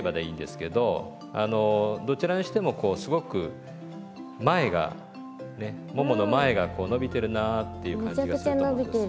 あのどちらにしてもこうすごく前がねももの前がこう伸びてるなっていう感じがすると思うんです。